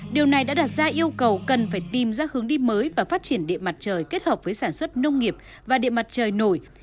điều này đã đặt ra yêu cầu cần phải tìm ra hướng đi mới và phát triển điện mặt trời kết hợp với sản xuất nông nghiệp và điện mặt trời nổi